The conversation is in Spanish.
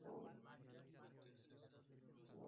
Está inscrita en el registro nacional de lugares históricos.